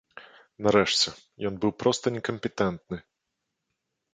Нарэшце, ён быў проста некампетэнтны.